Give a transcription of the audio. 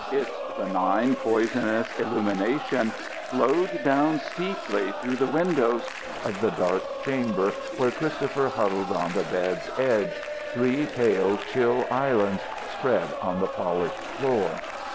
Its benign, poisonous illumination flowed down steeply through the windows of the dark chamber where Christopher huddled on the bed's edge, three pale, chill islands spread on the polished floor.